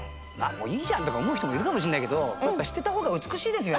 もういいじゃんとか思う人もいるかもしれないけどやっぱ知ってた方が美しいですよ